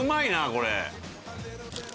これ。